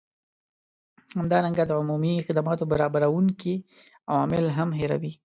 همدارنګه د عمومي خدماتو برابروونکي عوامل هم هیروي